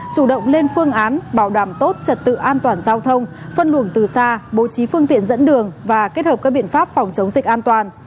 chủ động lên phương án bảo đảm tốt trật tự an toàn giao thông phân luồng từ xa bố trí phương tiện dẫn đường và kết hợp các biện pháp phòng chống dịch an toàn